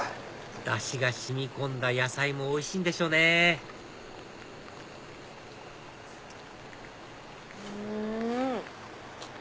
ダシが染み込んだ野菜もおいしいんでしょうねうん！